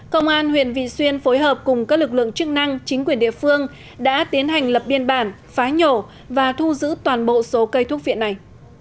công an huyện vị xuyên phối hợp cùng các lực lượng chức năng chính quyền địa phương đã tiến hành lập biên bản phá nhổ và thu giữ toàn bộ số cây thuốc viện này